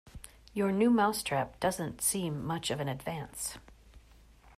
Your new mouse trap doesn't seem much of an advance.